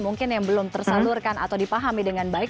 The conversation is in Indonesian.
mungkin yang belum tersalurkan atau dipahami dengan baik